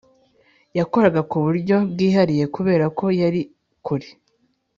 yakoraga ku buryo bwihariye kubera ko yari kure,